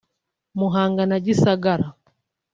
Muhanga na Gisagara